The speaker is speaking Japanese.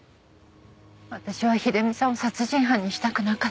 私は秀美さんを殺人犯にしたくなかった。